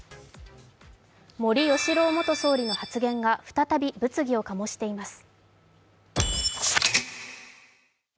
森喜朗元総理の発言が再び物議を醸しています。